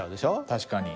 確かに。